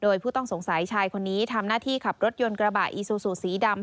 โดยผู้ต้องสงสัยชายคนนี้ทำหน้าที่ขับรถยนต์กระบะอีซูซูสีดำ